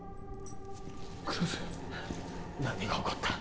黒須何が起こった？